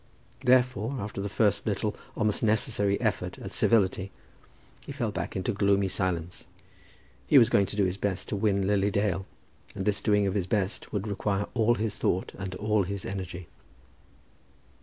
Therefore, after the first little almost necessary effort at civility, he fell back into gloomy silence. He was going to do his best to win Lily Dale, and this doing of his best would require all his thought and all his energy.